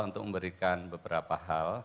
untuk memberikan beberapa hal